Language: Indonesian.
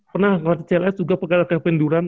pernah latihan cls juga pegang latihan penduran